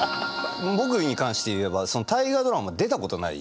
僕に関して言えば「大河ドラマ」出たことない。